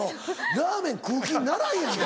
ラーメン食う気にならんやんか。